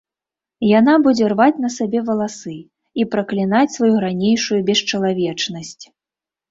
Яна будзе рваць на сабе валасы і праклінаць сваю ранейшую бесчалавечнасць.